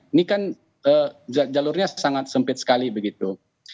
ini kan jalurnya sangat sempit sekali begitu